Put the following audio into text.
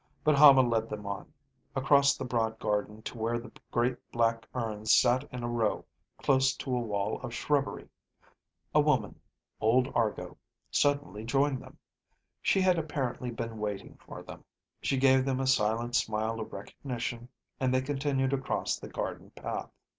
But Hama led them on, across the broad garden to where the great black urns sat in a row close to a wall of shrubbery. A woman old Argo suddenly joined them. She had apparently been waiting for them. She gave them a silent smile of recognition, and they continued across the garden path.